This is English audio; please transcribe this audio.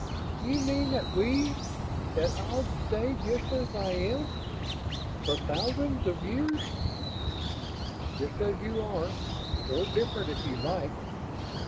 "You mean that we ... that I'll stay just as I am for thousands of years?" "Just as you are. Or different, if you like.